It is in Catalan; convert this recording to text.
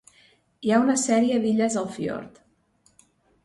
Hi ha una sèrie d'illes al fiord.